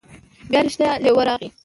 بیا رښتیا لیوه راغی.